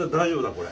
これ。